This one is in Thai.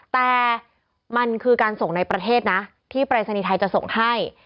แต่มันคือการส่งในประเทศนะที่ปรายศนีย์ไทยจะส่งให้